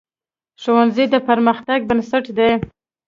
ښوونځی د پرمختګ بنسټ دی